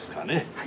はい。